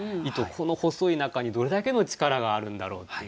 この細い中にどれだけの力があるんだろうっていうふうな。